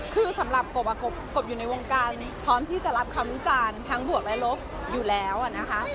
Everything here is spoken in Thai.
คือสำหรับกบกบอยู่ในวงการพร้อมที่จะรับคำวิจารณ์ทั้งบวกและลบอยู่แล้วนะคะ